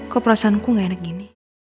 kok perasaanku gak enak gini